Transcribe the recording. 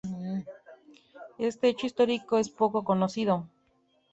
Este hecho histórico es poco conocido.